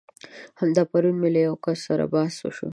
همدا پرون مې له يو کس سره بحث شو.